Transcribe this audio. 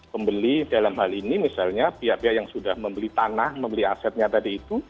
pembeli dalam hal ini misalnya pihak pihak yang sudah membeli tanah membeli asetnya tadi itu